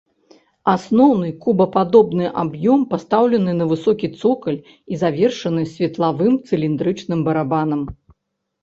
Асноўны кубападобны аб'ём пастаўлены на высокі цокаль і завершаны светлавым цыліндрычным барабанам.